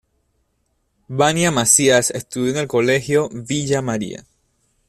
Vania Masías estudió en el Colegio Villa María.